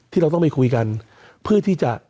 เราต้องไปคุยกันเพื่อที่จะ